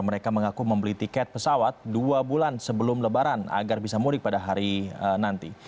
mereka mengaku membeli tiket pesawat dua bulan sebelum lebaran agar bisa mudik pada hari nanti